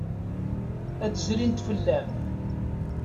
Ad d-zrint fell-am.